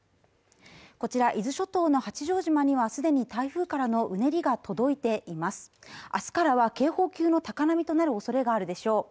こちらは伊豆諸島の八丈島にはすでに台風からのうねりが届いています明日からは警報級の高波となるおそれがあるでしょう